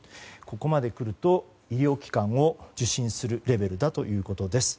ここまでくると医療機関を受診するレベルだということです。